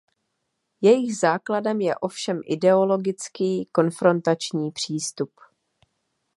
Jejich základem je ovšem ideologický konfrontační přístup.